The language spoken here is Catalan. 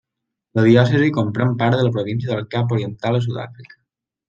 La diòcesi comprèn part de la província del Cap Oriental a Sud-àfrica.